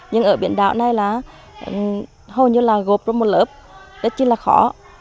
nhưng ở biển đảo này là hầu như là gộp trong một lớp đó chính là khó